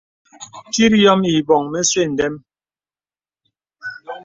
Tit yɔ̄m îbɔ̀ŋ mə̄sɛ̄ ndɛm.